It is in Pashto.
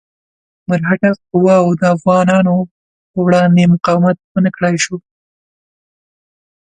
مرهټه قواوو د افغانانو په وړاندې مقاومت ونه کړای شو.